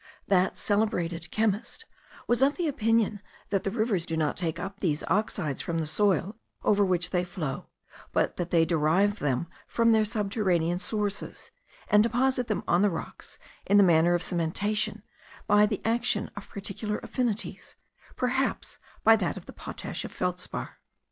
That celebrated chemist was of opinion that the rivers do not take up these oxides from the soil over which they flow, but that they derive them from their subterranean sources, and deposit them on the rocks in the manner of cementation, by the action of particular affinities, perhaps by that of the potash of the feldspar.